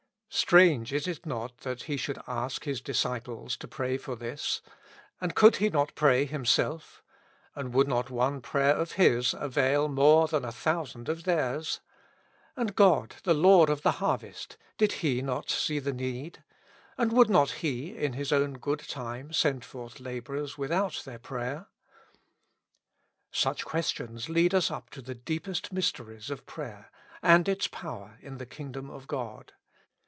Strange, is it not, that He should ask His disciples to pray for this ? And could He not pray Himself? And would not one prayer of His avail more than a 71 With Christ in the School of Prayer. thousand of theirs ? And God, the Lord of the har vest, did He not see the need? And would not He, in His own good time, send forth laborers without their prayer ? Such questions lead us up to the deepest mysteries of prayer, and its power in the Kingdom of God.